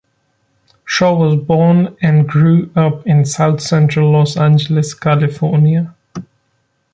Shaw was born and grew up in South Central Los Angeles, California.